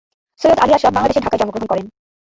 সৈয়দ আলী আশরাফ বাংলাদেশের ঢাকায় জন্মগ্রহণ করেন।